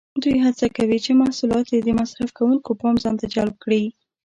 دوی هڅه کوي چې محصولات یې د مصرف کوونکو پام ځانته جلب کړي.